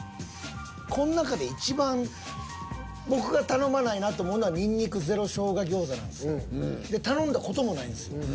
この中でいちばん僕が頼まないなと思うのはにんにくゼロ生姜餃子なんですよ。で頼んだ事もないんですよ。